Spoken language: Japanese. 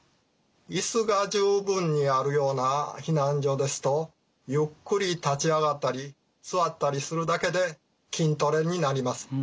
イスが十分にあるような避難所ですとゆっくり立ち上がったり座ったりするだけで筋トレになります。